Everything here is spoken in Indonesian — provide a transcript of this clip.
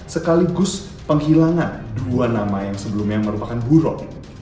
sekaligus penghilangan dua nama yang sebelumnya merupakan buron